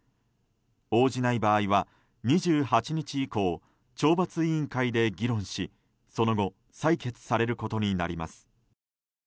応じない場合は２８日以降懲罰委員会で議論しその後採決されることになります。